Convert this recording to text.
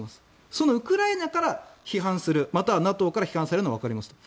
そのウクライナから批判するまたはＮＡＴＯから批判されるのはわかりますと。